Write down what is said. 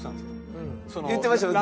言ってましたね。